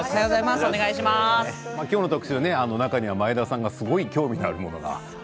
今日の特集、中には前田さんがすごい興味があるものが。